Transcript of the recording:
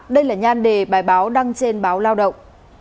đây là nhan đề bài báo đăng trên báo lao động